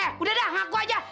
eh udah dah ngaku aja